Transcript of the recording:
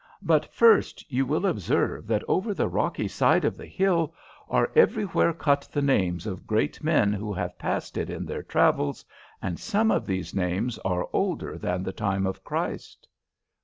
But first you will observe that over the rocky side of the hill are everywhere cut the names of great men who have passed it in their travels, and some of these names are older than the time of Christ."